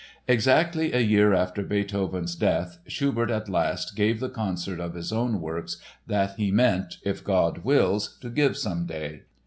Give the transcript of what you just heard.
Exactly a year after Beethoven's death Schubert at last gave the concert of his own works that he meant "if God wills" to give some day.